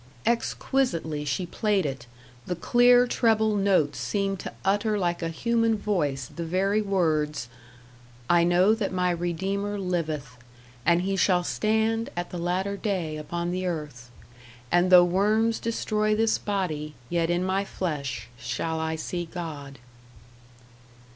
'" Exquisitely she played it, the clear treble notes seemed to utter like a human voice the very words: "I know that my Redeemer liveth, and He shall stand at the latter day upon the earth. And though worms destroy this body, yet in my flesh shall I see God."